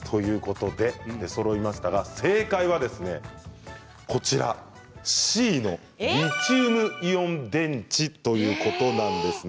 出そろいましたが正解はＣリチウムイオン電池ということなんですね。